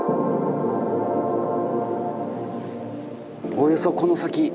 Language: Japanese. おおよそこの先